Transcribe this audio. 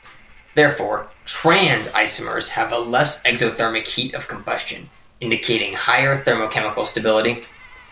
Therefore, "trans" isomers have a less exothermic heat of combustion, indicating higher thermochemical stability.